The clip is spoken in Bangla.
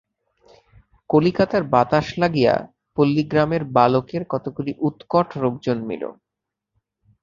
কলিকাতার বাতাস লাগিয়া পল্লীগ্রামের বালকের কতকগুলি উৎকট রোগ জন্মিল।